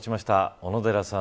小野寺さん